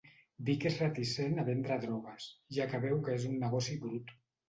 Vic és reticent de vendre drogues, ja que veu que és un negoci brut.